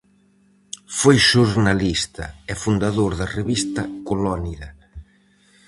Foi xornalista e fundador da revista Colónida.